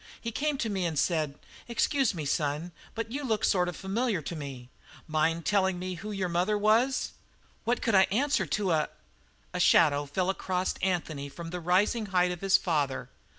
He came to me and said: 'Excuse me, son, but you look sort of familiar to me. Mind telling me who your mother was?' What could I answer to a " A shadow fell across Anthony from the rising height of his father.